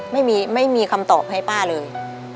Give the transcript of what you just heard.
ไม่มีคำตอบให้ป้าเลย